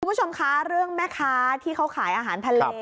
คุณผู้ชมคะเรื่องแม่ค้าที่เขาขายอาหารทะเล